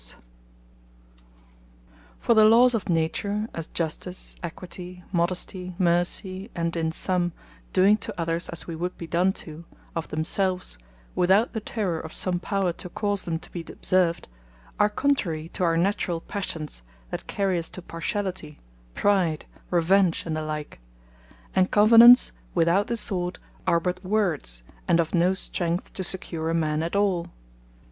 Which Is Not To Be Had From The Law Of Nature: For the Lawes of Nature (as Justice, Equity, Modesty, Mercy, and (in summe) Doing To Others, As Wee Would Be Done To,) if themselves, without the terrour of some Power, to cause them to be observed, are contrary to our naturall Passions, that carry us to Partiality, Pride, Revenge, and the like. And Covenants, without the Sword, are but Words, and of no strength to secure a man at all.